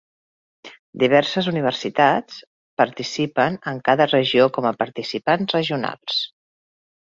Diverses universitat participen en cada regió com a participants regionals.